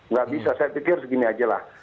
nggak bisa saya pikir segini aja lah